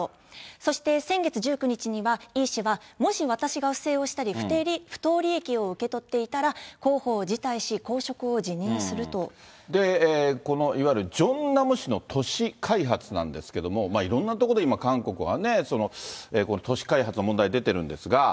そして先月１９日には、イ氏は、もし私が不正をしたり、不当利益を受け取っていたら、このいわゆる、ソンナム市の都市開発なんですけども、いろんな所で今、韓国はね、都市開発の問題出てるんですが。